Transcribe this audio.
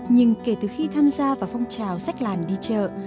nhưng kể từ khi tham gia vào phong trào sách làn đi chợ